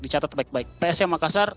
di catat baik baik psm makassar